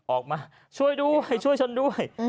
ออกมาช่วยด้วยช่วยฉันด้วย